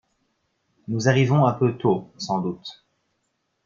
Nous arrivons un peu tôt, sans doute.